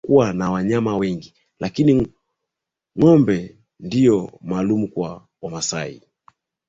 Licha ya kuwa na wanyama wengine lakini ngombe ndio maalum kwa wamasai